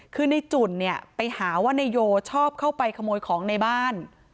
คือในจุ่นเนี่ยไปหาว่านายโยชอบเข้าไปขโมยของในบ้าน